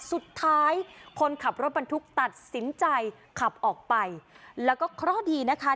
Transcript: คนขับรถบรรทุกตัดสินใจขับออกไปแล้วก็เคราะห์ดีนะคะ